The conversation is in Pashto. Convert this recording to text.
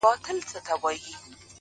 • نه, نه! اور د ژوندانه سي موږ ساتلای,